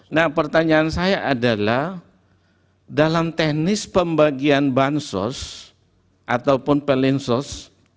nah pertanyaan saya adalah dalam teknis pembagian bansos ataupun pelinsos